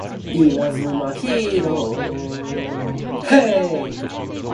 The first post office opened the same year.